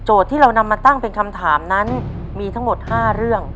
ที่เรานำมาตั้งเป็นคำถามนั้นมีทั้งหมด๕เรื่อง